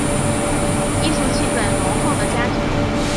艺术气氛浓厚的家庭